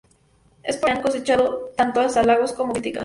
Es por ello que han cosechado tanto halagos como críticas.